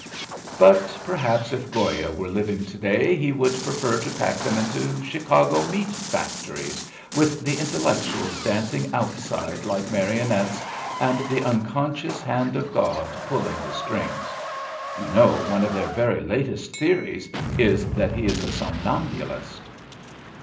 But perhaps if Goya were living to 14 A BELGIAN CHRISTMAS EVE day he would prefer to pack them into Chicago meat factories, with the in tellectuals dancing outside like marion ettes, and the unconscious Hand of God pulling the strings. You know one of their very latest theories is that He is a somnambulist.